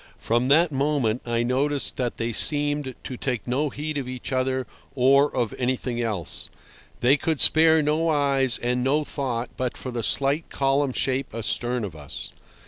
From that moment I noticed that they seemed to take no heed of each other or of anything else. They could spare no eyes and no thought but for the slight column shape astern of us.